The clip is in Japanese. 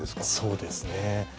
そうですね。